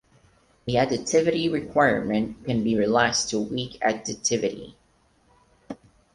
The additivity requirement can be relaxed to weak additivity.